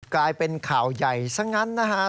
กลายเป็นข่าวใหญ่ซะงั้นนะฮะ